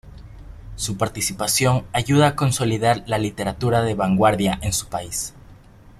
Su participación ayuda a consolidar la literatura de vanguardia en su país.